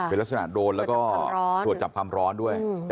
เป็นลักษณะโดรนแล้วก็ตรวจจับความร้อนด้วย